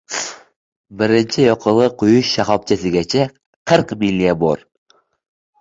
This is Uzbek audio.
Birinchi yoqilg`i quyish shahobchasigacha qirq milya bor